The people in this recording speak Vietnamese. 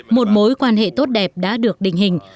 một mối quan hệ tốt đẹp đã được định hình